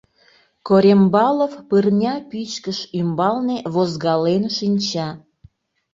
Корембалов пырня пӱчкыш ӱмбалне возгален шинча.